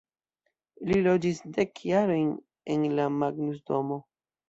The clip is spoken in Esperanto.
Li loĝis dek jarojn en la Magnus-Domo.